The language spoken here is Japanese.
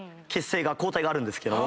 抗体があるんですけども。